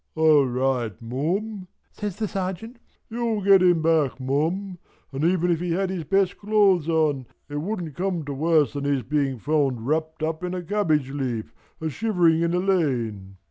"All right Mum" says the sergeant. "You'll get him back Mum. And even if he'd had his best clothes on, it wouldn't come to worse than his being found wrapped up in a cabbage leaf, a shivering in a lane."